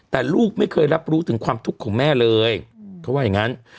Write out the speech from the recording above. แต่ลูกไม่เคยรับรู้ถึงความทุกข์ของแม่เลยเขาว่าอย่างนั้น